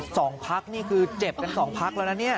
สองพักนี่คือเจ็บกันสองพักแล้วนะเนี่ย